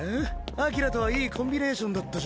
アキラとはいいコンビネーションだったじゃん。